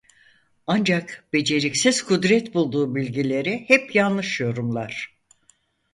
Ancak beceriksiz Kudret bulduğu bilgileri hep yanlış yorumlar.